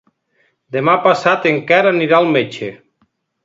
Demà passat en Quer anirà al metge.